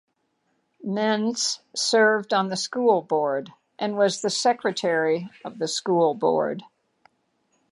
Meents served on the school board and was the secretary of the school board.